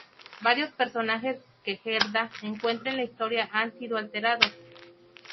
Varios personajes que Gerda encuentra en la historia han sido alterados.